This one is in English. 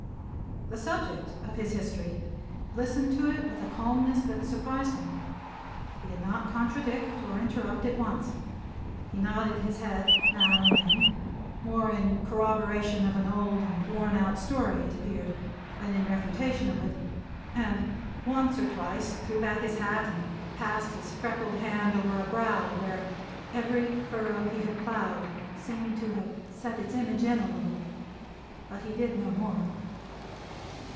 The subject of his history listened to it with a calmness that surprised him. He did not contradict or interrupt it once. He nodded his head now and then more in corroboration of an old and worn out story, it appeared, than in refutation of it; and once or twice threw back his hat, and passed his freckled hand over a brow, where every furrow he had ploughed seemed to have set its image in little. But he did no more.